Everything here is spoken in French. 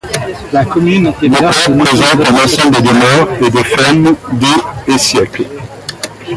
Maucor présente un ensemble de demeures et de fermes des et siècles.